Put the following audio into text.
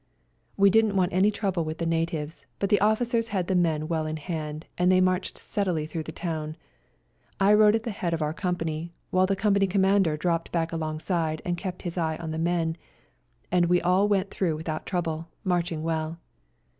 We didn't want any trouble with the natives, but the officers had the men well in hand, and they marched steadily through the town. I rode at the head of our company, while the company Com mander dropped back alongside and kept his eye on the men ; and we all went through without trouble, marching well.